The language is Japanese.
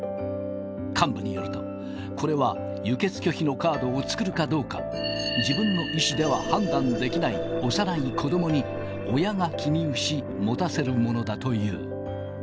幹部によると、これは輸血拒否のカードを作るかどうか、自分の意思では判断できない幼い子どもに、親が記入し、持たせるものだという。